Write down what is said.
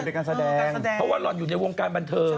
เพราะว่าเราอยู่ในวงการบันเทิง